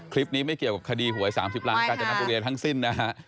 คลิปนี้ไม่เกี่ยวกับคดีหวย๓๐ล้างกาญแจนับอุเรียนทั้งสิ้นนะ